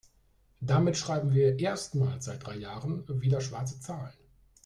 Damit schreiben wir erstmals seit drei Jahren wieder schwarze Zahlen.